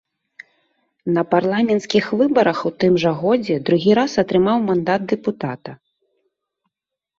На парламенцкіх выбарах у тым жа годзе другі раз атрымаў мандат дэпутата.